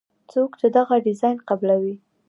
څوک چې دغه ډیزاین قبلوي.